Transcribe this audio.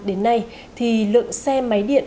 đến nay thì lượng xe máy điện